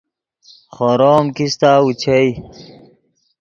خورو ام کیستہ اوچئے